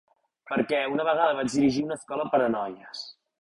Per què, una vegada vaig dirigir una escola per a noies.